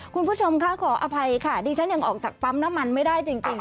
คุณผู้ชมค่ะขออภัยค่ะดิฉันยังออกจากปั๊มน้ำมันไม่ได้จริง